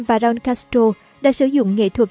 và raul castro đã sử dụng nghệ thuật